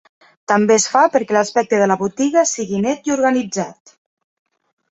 També es fa perquè l'aspecte de la botiga sigui net i organitzat.